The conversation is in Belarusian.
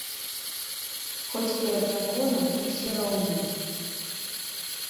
Хоць перад законам усе роўныя.